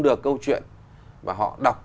được câu chuyện và họ đọc